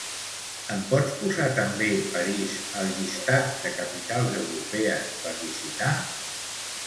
Em pots posar també París al llistat de capitals europees per visitar?